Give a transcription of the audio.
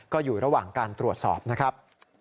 ก็อยู่ระหว่างการตรวจสอบนะครับ